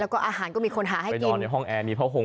และก็อาหารก็มีคนหาให้กิน